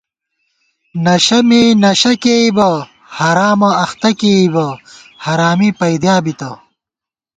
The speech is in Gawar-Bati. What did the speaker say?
نشہ مے نشہ کېئیبہ ، حرامہ اختہ کېئیبہ ، حرمی پَئیدِیا بِتہ